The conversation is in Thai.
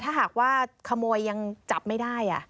ถ้าหากว่าขโมยยังจับไม่ได้